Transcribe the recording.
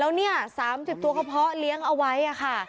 แล้วเนี่ยอ่ะสามสิบตัวเข้าเพาะเลี้ยงเอาไว้อ่ะค่ะ